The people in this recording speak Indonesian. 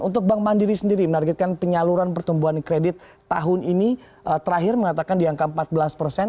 untuk bank mandiri sendiri menargetkan penyaluran pertumbuhan kredit tahun ini terakhir mengatakan di angka empat belas persen